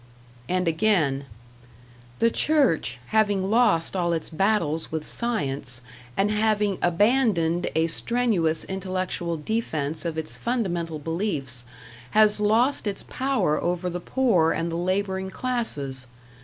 And again: The Church, having lost all its battles with science, and having abandoned a strenuous intellectual defense of its fundamental beliefs, has lost its power over the poor and the laboring classes....